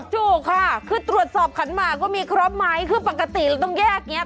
ถูกค่ะคือตรวจสอบขันหมากก็มีครอบหมายคือปกติต้องแยกเนี่ย